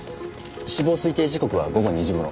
死亡推定時刻は午後２時頃。